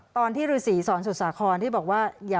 ตอนที่ฤษีสอนสุสาครที่บอกว่า